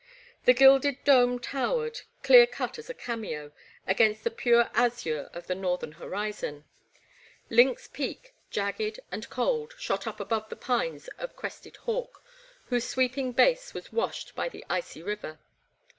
The Gilded 148 The Black Water, 149 Dome towered, dear cut as a cameo, against the pure azure of the northern horizon; Lynx Peak, jagged and cold, shot up above the pines of Crested Hawk, whose sweeping base was washed by the icy river.